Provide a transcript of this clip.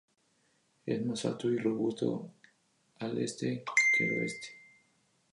Es más alto y robusto al este que al oeste.